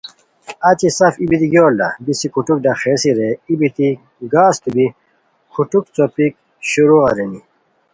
اچی سف ای بیتی گیورلہ بیسی کوٹھوک ڈاخئیسی رے ای بیتی گھاستو بی کوٹھوک څوپیک شروع ارینی